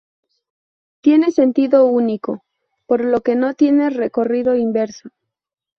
Tiene sentido único, por lo que no tiene recorrido inverso.